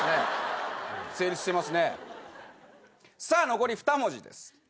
さあ残り２文字です。